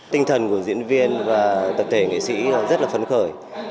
tinh thần của diễn viên và tập thể nghệ sĩ rất là phấn khởi